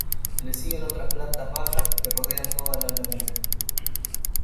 Le siguen otras plantas bajas que rodean toda la laguna.